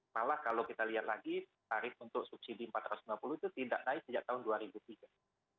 malah kalau kita lihat lagi tarif untuk subsidi empat ratus lima puluh itu tidak naik sejak tahun dua ribu tiga